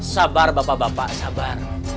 sabar bapak bapak sabar